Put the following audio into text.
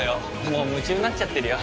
もう夢中になっちゃってるよ